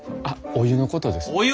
あっお湯のことです。